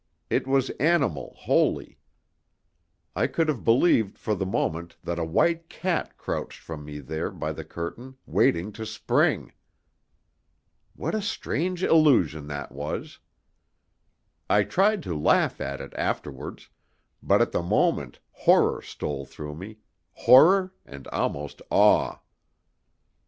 It was animal wholly. I could have believed for the moment that a white cat crouched from me there by the curtain, waiting to spring. What a strange illusion that was! I tried to laugh at it afterwards, but at the moment horror stole through me horror, and almost awe.